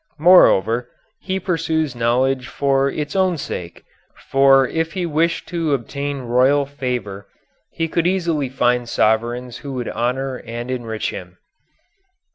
Moreover, he pursues knowledge for its own sake; for if he wished to obtain royal favor, he could easily find sovereigns who would honor and enrich him.